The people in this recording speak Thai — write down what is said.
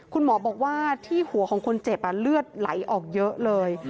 คุณหมอบอกว่าที่หัวของคนเจ็บเลือดไหลออกเยอะเลย